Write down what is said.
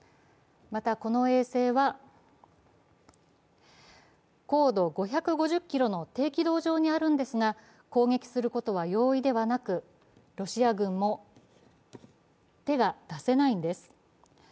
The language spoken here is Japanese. また、この衛星は高度５５０ｋｍの低軌道上にあるのですが、攻撃することは容易ではなく、ロシア軍も手が出せないんです。